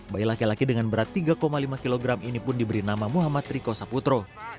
bayi laki laki dengan berat tiga lima kg ini pun diberi nama muhammad riko saputro